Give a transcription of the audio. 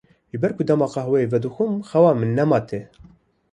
Ji ber ku dema qehweyê vedixwim xewa min nema tê.